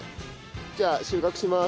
じゃあ収穫します。